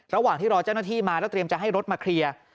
ระหว่างที่รอเจ้าหน้าที่มาแล้วเตรียมจะให้รถมาเคลียร์